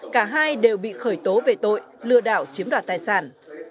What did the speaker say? cả hai đều bị khởi tố về tội lừa đảo chiếm đoạt tài sản